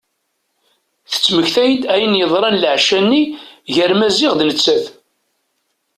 Tettmektay-d ayen i yeḍran leɛca-nni gar Maziɣ d nettat.